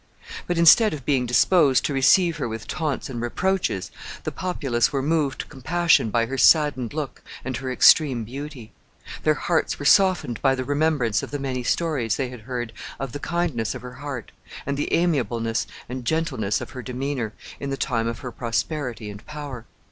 But, instead of being disposed to receive her with taunts and reproaches, the populace were moved to compassion by her saddened look and her extreme beauty. Their hearts were softened by the remembrance of the many stories they had heard of the kindness of her heart, and the amiableness and gentleness of her demeanor, in the time of her prosperity and power.